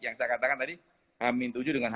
yang saya katakan tadi h tujuh dengan h tujuh